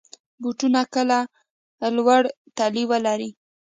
بوټونه کله لوړ تلي ولري.